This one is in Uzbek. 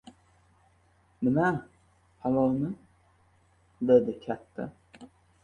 — Nima, palovmi? — dedi katta.